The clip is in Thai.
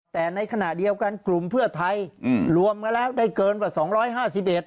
แต่ในขณะเดียวกันกลุ่มเพื่อไทยรวมมาแล้วได้เกินกว่า๒๕๑